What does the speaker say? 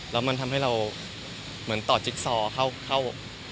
แล้วมันทำให้เราเหมือนต่อจิ๊กซอเข้า